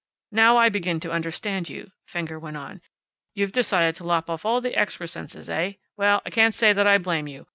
"Now I begin to understand you," Fenger went on. "You've decided to lop off all the excrescences, eh? Well, I can't say that I blame you.